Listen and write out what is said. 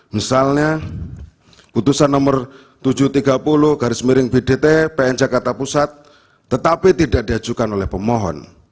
misalnya putusan nomor tujuh ratus tiga puluh garis miring bdt pn jakarta pusat tetapi tidak diajukan oleh pemohon